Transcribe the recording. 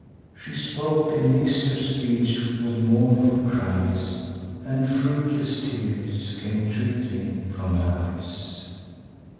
She spoke; and mix'd her speech with mournful cries, And fruitless tears came trickling from her eyes.